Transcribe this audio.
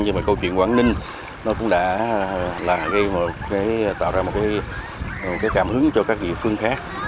nhưng mà câu chuyện quảng ninh nó cũng đã tạo ra một cảm hứng cho các địa phương khác